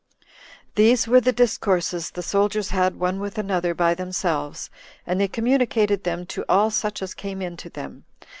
3. These were the discourses the soldiers had one with another by themselves, and they communicated them to all such as came in to them.